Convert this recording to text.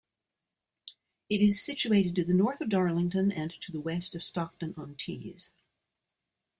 It is situated to the north of Darlington, and to the west of Stockton-on-Tees.